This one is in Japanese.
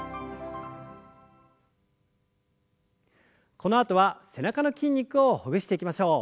このあとは背中の筋肉をほぐしていきましょう。